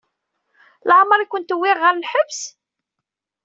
Leɛmeṛ i kent-wwin ɣer lḥebs?